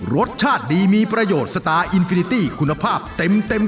รสชาติดีมีประโยชน์สตาร์คุณภาพเต็มขวด